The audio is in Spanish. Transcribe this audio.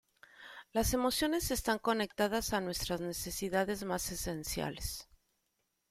Las emociones están conectadas a nuestras necesidades más esenciales.